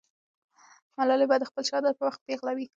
ملالۍ به د خپل شهادت په وخت پېغله وي.